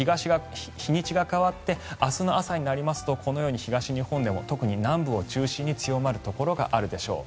日にちが変わって明日の朝になりますとこのように東日本でも特に南部を中心に強まるところがあるでしょう。